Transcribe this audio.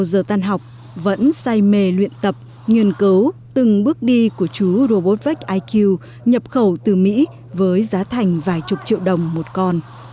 giờ tan học vẫn say mê luyện tập nghiên cứu từng bước đi của chú robot iq nhập khẩu từ mỹ với giá thành vài chục triệu đồng một con